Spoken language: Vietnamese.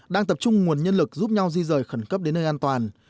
đang tập trung nguồn nhân lực giúp nhau di rời khẩn cấp đến nơi an toàn